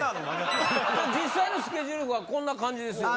実際のスケジュールはこんな感じですよね？